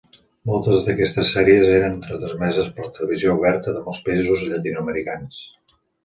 Moltes d'aquestes sèries eren retransmeses per la televisió oberta de molts països llatinoamericans.